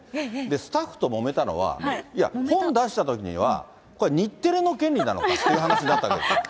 スタッフともめたのは、いや、本出したときには、これ、日テレの権利なのかっていう話だったわけですよ。